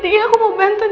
tadinya aku mau bantu nino